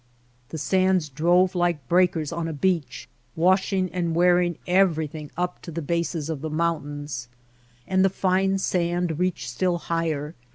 The sands drove like breakers on a beach, washing and wearing everything up to the bases of the mountains. And the fine sand reached still higher.